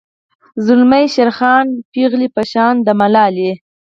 زلمي یی شیرخان پیغلۍ په شان د ملالۍ